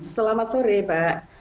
selamat sore pak